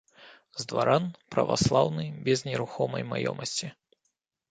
З дваран, праваслаўны, без нерухомай маёмасці.